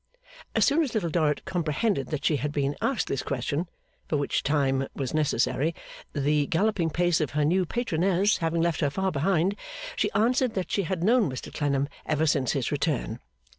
As soon as Little Dorrit comprehended that she had been asked this question for which time was necessary, the galloping pace of her new patroness having left her far behind she answered that she had known Mr Clennam ever since his return.